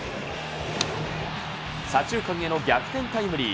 左中間への逆転タイムリー。